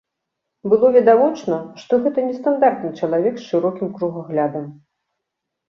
Было відавочна, што гэта не стандартны чалавек з шырокім кругаглядам.